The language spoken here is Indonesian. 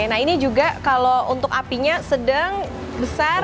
nah ini juga kalau untuk apinya sedang besar